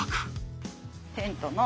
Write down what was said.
テントの。